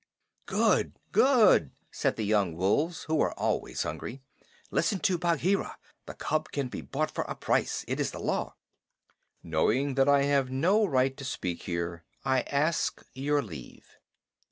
"Good! Good!" said the young wolves, who are always hungry. "Listen to Bagheera. The cub can be bought for a price. It is the Law." "Knowing that I have no right to speak here, I ask your leave."